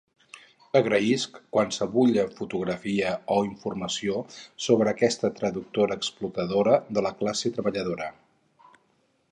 Agraïsc qualsevulla fotografia o informació sobre aquesta traductora exploradora de la classe treballadora